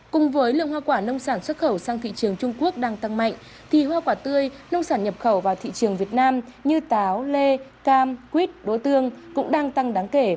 cùng với lượng hoa quả nông sản xuất khẩu sang thị trường trung quốc đang tăng mạnh thì hoa quả tươi nông sản nhập khẩu vào thị trường việt nam như táo lê cam quýt đuối tương cũng đang tăng đáng kể